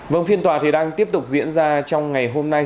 vâng phiên tòa thì đang tiếp tục diễn ra trong ngày hôm nay